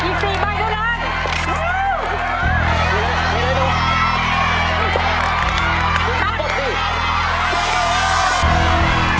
อีสี่ใบทุกนัก